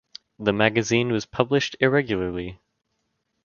The magazine was published irregularly.